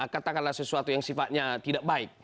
katakanlah sesuatu yang sifatnya tidak baik